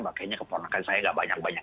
makanya keponakan saya gak banyak banyak